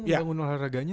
untuk menolong olahraganya